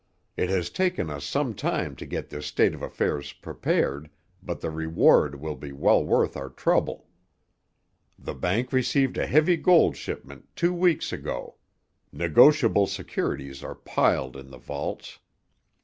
It has taken us some time to get this state of affairs prepared, but the reward will be well worth our trouble. The bank received a heavy gold shipment two weeks ago. Negotiable securities are piled in the vaults.